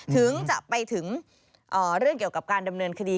ถึงจะไปถึงเรื่องเกี่ยวกับการดำเนินคดี